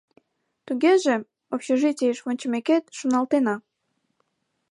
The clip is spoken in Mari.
— Тугеже, общежитийыш вончымекет, шоналтена.